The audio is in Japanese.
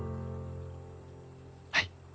はい。